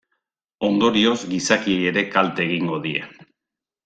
Ondorioz, gizakiei ere kalte egingo die.